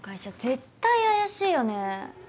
絶対怪しいよね。